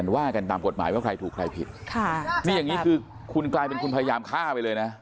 ว่ากันตามกฎหมายว่าใครถูกใครผิดค่ะนี่อย่างนี้คือคุณกลายเป็นคุณพยายามฆ่าไปเลยนะ